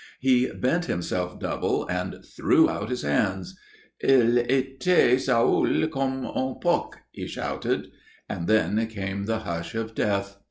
He bent himself double and threw out his hands. "Il était saoûl comme un porc," he shouted. And then came the hush of death.